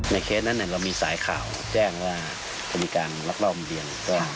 เคสนั้นเรามีสายข่าวแจ้งว่าจะมีการลักลอบเบียน